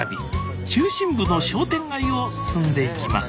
中心部の商店街を進んでいきます